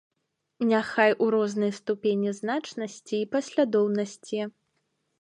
Няхай у рознай ступені значнасці і паслядоўнасці.